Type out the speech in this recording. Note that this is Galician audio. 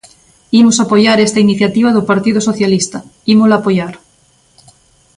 Imos apoiar esta iniciativa do Partido Socialista, ímola apoiar.